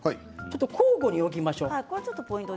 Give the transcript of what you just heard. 交互に置きましょう。